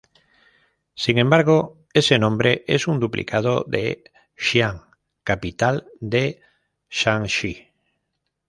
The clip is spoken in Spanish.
Sin embargo, ese nombre es un duplicado de Xi'an, capital de Shaanxi.